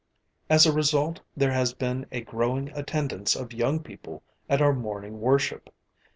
As a result there has been a growing attendance of young people at our morning worship.